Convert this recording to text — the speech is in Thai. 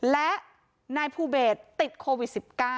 และนายภูเบสติดโควิด๑๙